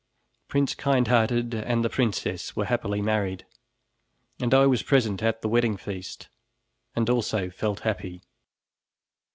Prince Kindhearted and the princess were happily married, and I was present at the wedding feast and also felt happy.